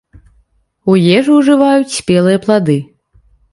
У ежу ўжываюць спелыя плады.